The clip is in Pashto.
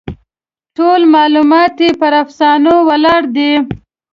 ټول معلومات یې پر افسانو ولاړ دي.